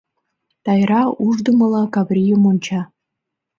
Тайра ушдымыла Каврийым онча.